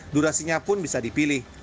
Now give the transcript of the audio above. durasinya pun bisa dipilih